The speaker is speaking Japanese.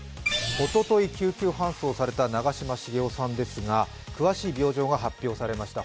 おととい救急搬送された長嶋茂雄さんですが詳しい病状が発表されました